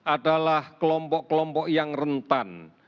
adalah kelompok kelompok yang rentan